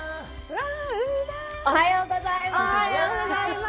おはようございます。